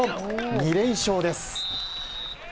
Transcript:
２連勝です。